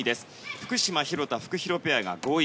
福島、廣田のフクヒロペアが５位。